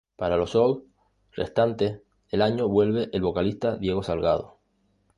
Para los shows restantes del año vuelve el vocalista Diego Salgado.